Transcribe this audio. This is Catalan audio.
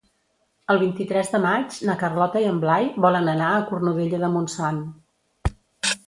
El vint-i-tres de maig na Carlota i en Blai volen anar a Cornudella de Montsant.